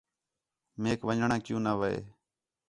میک ون٘ڄݨاں کیوں نہ وے